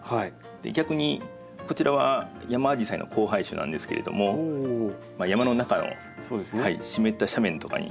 逆にこちらはヤマアジサイの交配種なんですけれども山の中の湿った斜面とかに。